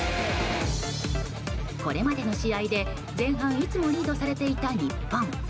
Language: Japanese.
これまでの試合で、前半いつもリードされていた日本。